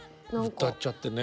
歌っちゃってね。